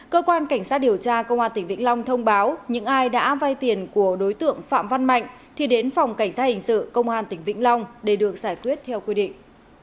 cơ quan cảnh sát điều tra công an tỉnh vĩnh long thông báo những ai đã vay tiền của đối tượng phạm văn mạnh thì đến phòng cảnh sát hình sự công an tỉnh vĩnh long để được giải quyết theo quy định